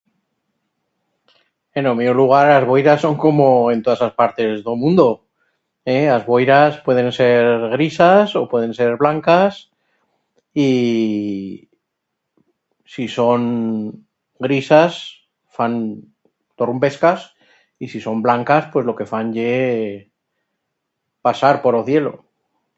En o mío lugar as boiras son como en todas as partes d'o mundo. Ee, as boiras pueden ser grisas o pueden ser blancas y... si son grisas fan torrumbescas y si son blancas pues lo que fan ye... pasar por o cielo.